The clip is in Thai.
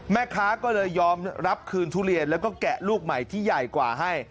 แม่ค้าก็เลยยอมรับคืนทุเรียนแล้วก็แกะลูกใหม่ที่ใหญ่กว่าให้